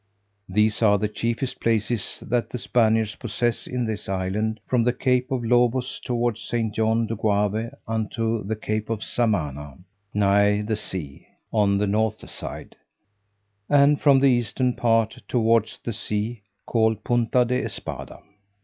These are the chiefest places that the Spaniards possess in this island, from the Cape of Lobos towards St. John de Goave, unto the Cape of Samana nigh the sea, on the north side, and from the eastern part towards the sea, called Punta de Espada.